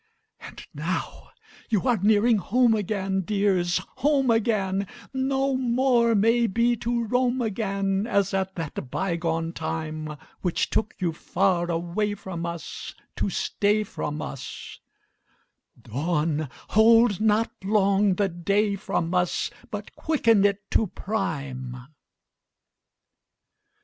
IV And now you are nearing home again, Dears, home again; No more, may be, to roam again As at that bygone time, Which took you far away from us To stay from us; Dawn, hold not long the day from us, But quicken it to prime!